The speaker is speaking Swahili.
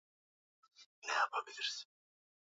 watu huendelea kuzitumia na jambo hilo huharibu maisha ya watu